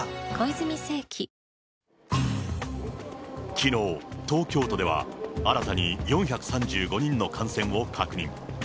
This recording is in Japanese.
きのう、東京都では新たに４３５人の感染を確認。